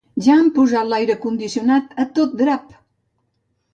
Ja han posat l'aire condicionat a tot drap!